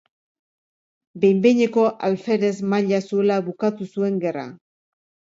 Behin-behineko alferez maila zuela bukatu zuen gerra.